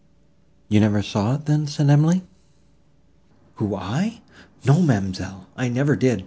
"You never saw it, then?" said Emily. "Who, I!—No, ma'amselle, I never did.